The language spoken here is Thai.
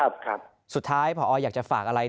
พคสุดท้ายพองอยากจะฝากอะไร